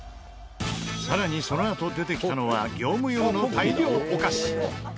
さらにそのあと出てきたのは業務用の大量お菓子。